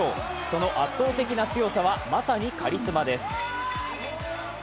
その圧倒的な強さは、まさにカリスマです。